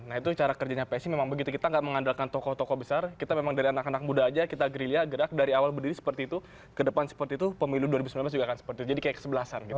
nah itu cara kerjanya psi memang begitu kita gak mengandalkan tokoh tokoh besar kita memang dari anak anak muda aja kita gerilya gerak dari awal berdiri seperti itu ke depan seperti itu pemilu dua ribu sembilan belas juga akan seperti itu jadi kayak kesebelasan gitu